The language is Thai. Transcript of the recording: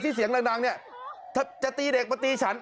เสียงดังเนี่ยจะตีเด็กมาตีฉัน